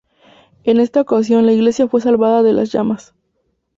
En esta ocasión la iglesia fue salvada de las llamas.